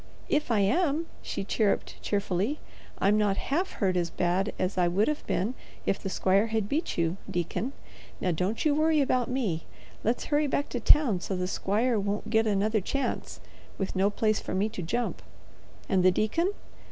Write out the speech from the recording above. "If I am," she chirped, cheerily, "I'm not hurt half as bad as I would have been if the squire had beat you, deacon. Now don't you worry about me. Let's hurry back to town so the squire won't get another chance, with no place for me to jump." And the deacon?